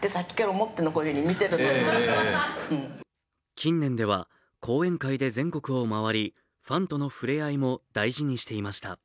近年では講演会で全国を回りファンとの触れ合いも大事にしていました。